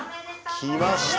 きました！